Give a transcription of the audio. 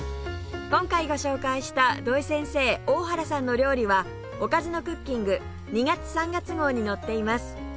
今回ご紹介した土井先生大原さんの料理は『おかずのクッキング』２月３月号に載っています